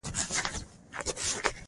ډاکټر صاحب دومره مشتعل شو.